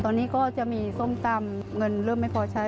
ตอนนี้ก็จะมีส้มตำเงินเริ่มไม่พอใช้